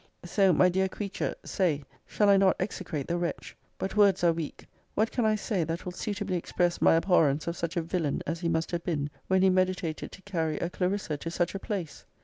>>> Say my dear creature say Shall I not exe crate the wretch? But words are weak What can I say, that will suitably express my abhorrence of such a villain as he must have been, when he meditated to carry a Clarissa to such a place!